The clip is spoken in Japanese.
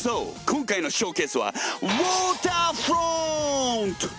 今回のショーケースはウォーターフロント！